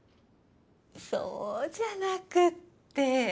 そうじゃなくって。